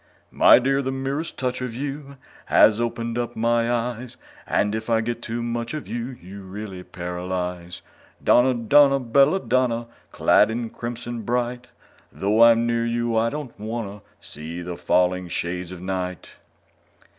_My dear, the merest touch of you Has opened up my eyes; And if I get too much of you, You really paralyze! Donna, Donna, bella Donna, Clad in crimson bright, Though I'm near you, I don't wanna See the falling shades of night!